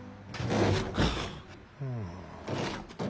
うん。